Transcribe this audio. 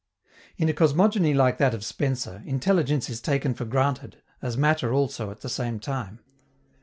In a cosmogony like that of Spencer, intelligence is taken for granted, as matter also at the same time.